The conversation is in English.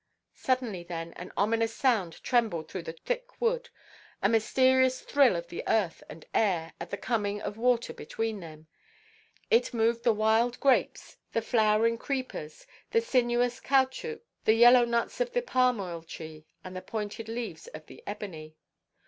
Suddenly then an ominous sound trembled through the thick wood, a mysterious thrill of the earth and air, at the coming of war between them. It moved the wild grapes, the flowering creepers, the sinuous caoutchouc, the yellow nuts of the palm–oil–tree, and the pointed leaves of the ebony.